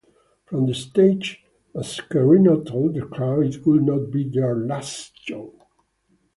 From the stage, Mascherino told the crowd it would not be their last show.